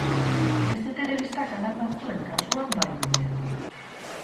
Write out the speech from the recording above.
Beste telebista-kanal batzuen kasuan bai, ordea.